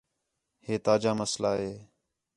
ہے تا جا مسئلہ ہے